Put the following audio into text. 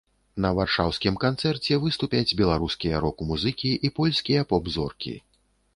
На варшаўскім канцэрце выступяць беларускія рок-музыкі і польскія поп-зоркі.